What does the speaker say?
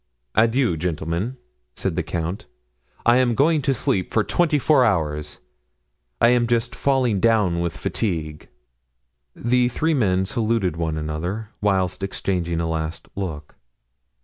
"Adieu, gentlemen," said the count; "I am going to sleep twenty four hours; I am just falling down with fatigue." The three men saluted one another, whilst exchanging a last look.